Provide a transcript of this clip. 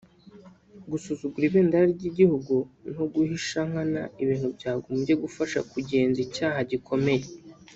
gusuzugura ibendera ry’igihugu no guhisha nkana ibintu byagombye gufasha kugenza icyaha gikomeye